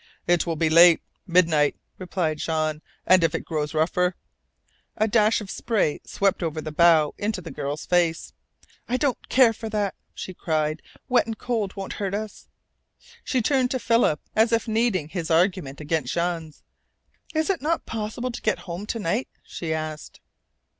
"It will be late midnight," replied Jean. "And if it grows rougher " A dash of spray swept over the bow into the girl's face. "I don't care for that," she cried. "Wet and cold won't hurt us." She turned to Philip, as if needing his argument against Jean's. "Is it not possible to get me home to night?" she asked.